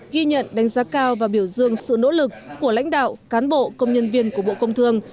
ghi nhận đánh giá cao và biểu dương sự nỗ lực của lãnh đạo cán bộ công nhân viên của bộ công thương